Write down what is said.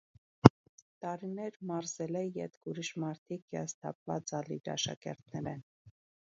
Տարիներ մարզելէ ետք ուրիշ մարդիկ, հիասթափուած է ալ իր աշակերտներէն։